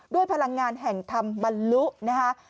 ด้วยพลังงานแห่งธรรมรุนะฮะ